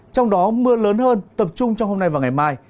trong đó mưa lớn hơn tập trung trong hôm nay và ngày mai